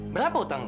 berapa utang lo